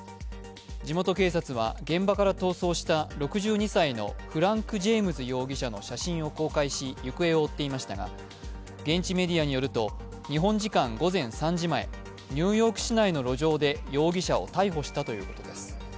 地元警察は現場から逃走した６２歳のフランク・ジェームズ容疑者の写真を公開し行方を追っていましたが、現地メディアによると日本時間午前３時前、ニューヨーク市内の路上で容疑者を逮捕したということです。